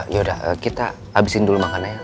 yaudah kita abisin dulu makannya ya